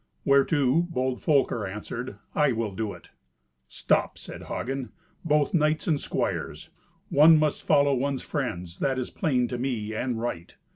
Whereto bold Folker answered, "I will do it." "Stop!" said Hagen, "both knights and squires. One must follow one's friends—that is plain to me, and right.